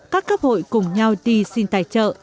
các cấp ủy cùng nhau đi xin tài trợ